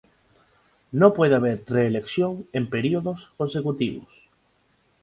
No puede haber reelección en períodos consecutivos.